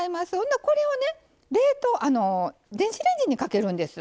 これをね電子レンジにかけるんです。